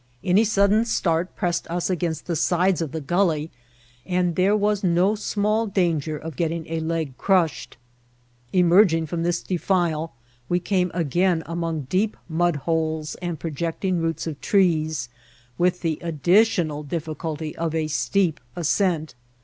Any sud den start pressed us against the sides of the gulley, and there was no small danger of getting a leg crushed. Emerging from this defile, we came again among deep mudholes and projecting roots of trees, with the addi tional difficulty of a steep ascent.